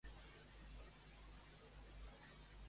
Aristes i Memnó van sobreviure a les batalles?